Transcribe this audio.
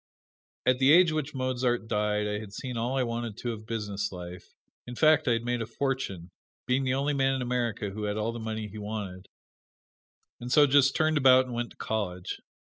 At the age which Mozart died I had seen all I wanted to of business life, in fact I had made a fortune, being the only man in America who had all the money he wanted, and so just turned about and went to college.